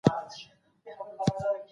دا اداره ولي جوړه سوې ده؟